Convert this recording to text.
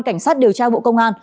cảnh sát điều tra bộ công an